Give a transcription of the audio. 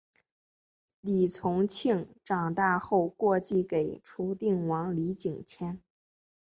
李从庆长大后过继给楚定王李景迁。